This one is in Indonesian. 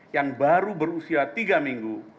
yang baru berusia tiga minggu